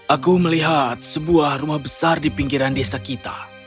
aku melihat sebuah rumah besar di pinggiran desa kita